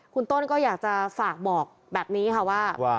คุณต้นก็อยากจะฝากบอกแบบนี้ค่ะว่า